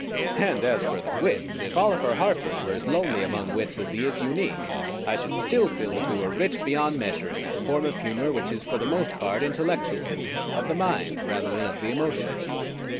And as for the wits, if Oliver Herford were as lonely among wits as he is unique, I should still feel that we were rich beyond measure in that form of humor which is for the most part intellectual, of the mind rather than of the emotions.